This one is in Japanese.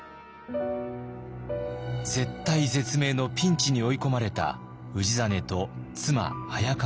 絶体絶命のピンチに追い込まれた氏真と妻早川殿。